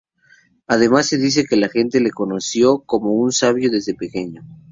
Además se dice que la gente le conoció como un sabio desde su pequeño.